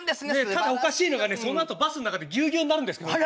ただおかしいのがねそのあとバスん中でギュギュになるんですけどね。